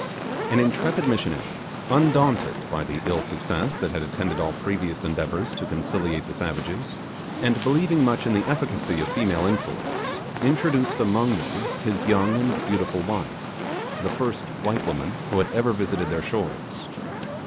An intrepid missionary, undaunted by the ill success that had attended all previous endeavours to conciliate the savages, and believing much in the efficacy of female influence, introduced among them his young and beautiful wife, the first white woman who had ever visited their shores.